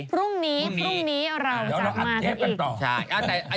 พรุ่งนี้เราจะมากันอีก